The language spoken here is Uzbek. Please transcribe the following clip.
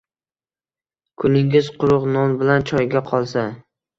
Kuningiz quruq non bilan choyga qolsa